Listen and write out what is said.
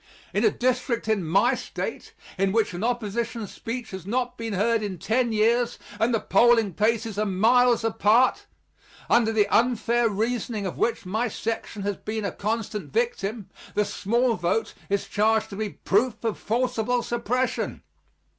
In a district in my State, in which an opposition speech has not been heard in ten years and the polling places are miles apart under the unfair reasoning of which my section has been a constant victim the small vote is charged to be proof of forcible suppression.